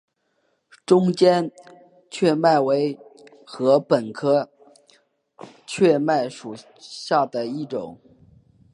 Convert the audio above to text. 中间雀麦为禾本科雀麦属下的一个种。